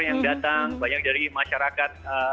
yang datang banyak dari masyarakat